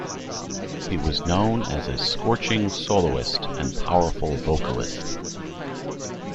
He was known as a scorching soloist and powerful vocalist.